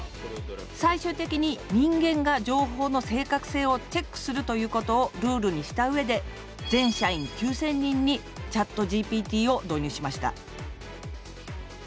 最終的に人間が情報の正確性をチェックするということをルールにしたうえで全社員９，０００人にＣｈａｔＧＰＴを導入しました。